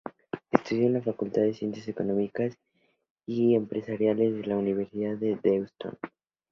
Estudió en la Facultad de Ciencias Económicas y Empresariales de la Universidad de Deusto.